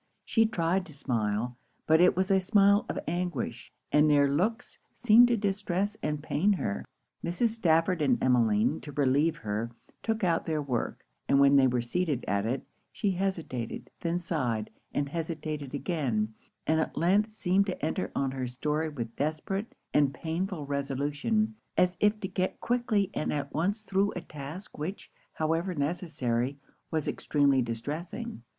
She tried to smile; but it was a smile of anguish; and their looks seemed to distress and pain her. Mrs. Stafford and Emmeline, to relieve her, took out their work; and when they were seated at it, she hesitated then sighed and hesitated again and at length seemed to enter on her story with desperate and painful resolution, as if to get quickly and at once thro' a task which, however necessary, was extremely distressing.